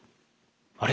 あれ？